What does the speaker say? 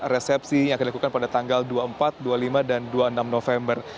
resepsi yang akan dilakukan pada tanggal dua puluh empat dua puluh lima dan dua puluh enam november